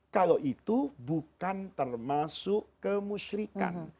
kalau itu bukan termasuk kemusyrikan